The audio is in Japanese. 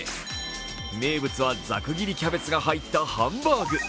名物は、ざく切りキャベツが入ったハンバーグ。